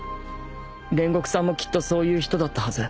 煉獄さんもきっとそういう人だったはず